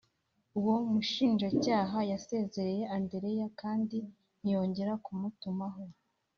Uwo mushinjacyaha yasezereye Andereya kandi ntiyongeye kumutumaho